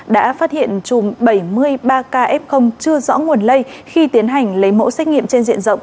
đã phát hiện chùm bảy mươi ba ca f chưa rõ nguồn lây khi tiến hành lấy mẫu xét nghiệm trên diện rộng